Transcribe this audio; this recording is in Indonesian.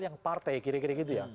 yang partai kira kira gitu ya